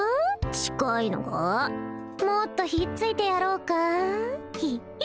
近いのがもっとひっついてやろうか？